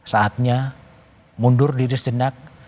saatnya mundur diri sejenak